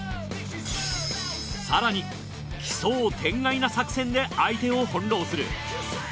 更に奇想天外な作戦で相手を翻弄する。